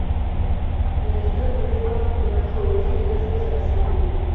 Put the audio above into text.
د زده کړې وخت د ښوونځي د نظم سره سم و.